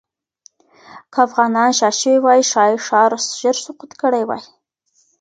که افغانان شا شوې وای، ښایي ښار ژر سقوط کړی وای.